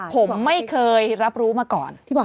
ผมไม่เคยรับรู้มาก่อน